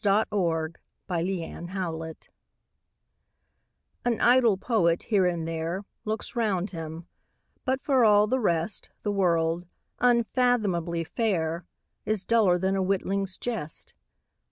Coventry Patmore The Revelation AN idle poet, here and there, Looks round him, but, for all the rest, The world, unfathomably fair, Is duller than a witling's jest.